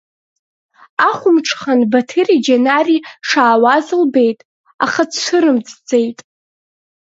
Ахәымҽхан Баҭыри Џьанари шаауаз лбеит, аха дцәырымҵӡеит.